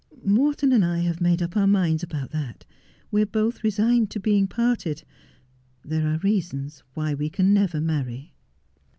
Morton and I have made up our minds about that. We are both resigned to being parted. There are reasons why we can never marry.'